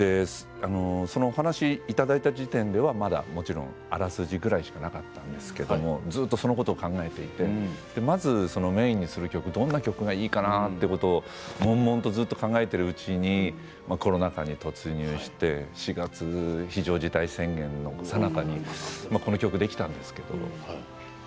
そのお話をいただいた時点ではまだもちろんあらすじぐらいしかなかったんですけどずっとそのことを考えていてまずメインにする曲どんな曲がいいかなということをもんもんとずっと考えているうちにコロナ禍に突入して４月非常事態宣言のさなかにこの曲できたんですけれども。